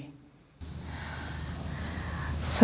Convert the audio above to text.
kalo jangan dapat menyerah